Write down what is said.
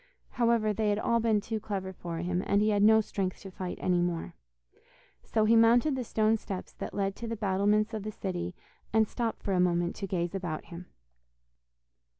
However, they had all been too clever for him, and he had no strength to fight any more. So he mounted the stone steps that led to the battlements of the city, and stopped for a moment to gaze about him.